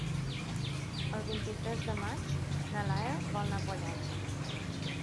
El vint-i-tres de maig na Laia vol anar a Pollença.